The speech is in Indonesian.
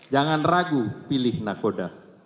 jangan ragu pilih nakoda